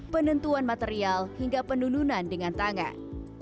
penentuan material hingga penununan dengan tangan